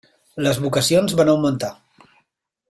Les vocacions van augmentar.